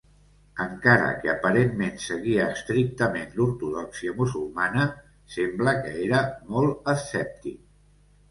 Encara que aparentment seguia estrictament l'ortodòxia musulmana, sembla que era molt escèptic.